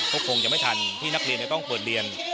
ก็คงจะไม่ทันที่นักเรียนจะต้องเปิดเรียน